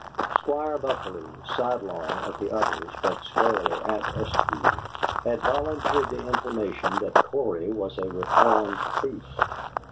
Squire Buckalew (sidelong at the others but squarely at Eskew) had volunteered the information that Cory was a reformed priest.